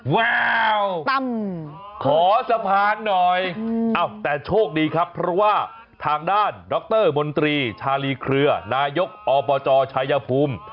แววขอสะพานหน่อยแต่โชคดีครับเพราะว่าทางด้านดรมนตรีชาลีเครือนายกอบจชายภูมิ